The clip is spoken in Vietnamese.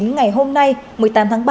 ngày hôm nay một mươi tám tháng ba